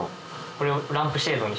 これを。